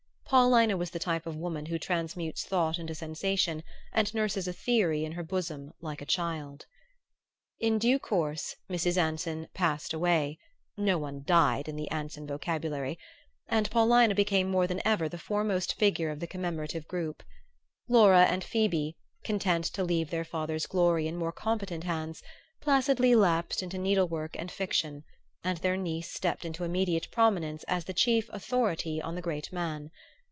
Paulina was the type of woman who transmutes thought into sensation and nurses a theory in her bosom like a child. In due course Mrs. Anson "passed away" no one died in the Anson vocabulary and Paulina became more than ever the foremost figure of the commemorative group. Laura and Phoebe, content to leave their father's glory in more competent hands, placidly lapsed into needlework and fiction, and their niece stepped into immediate prominence as the chief "authority" on the great man.